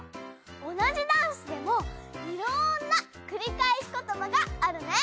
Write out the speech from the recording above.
同じダンスでもいろんなくりかえしことばがあるね！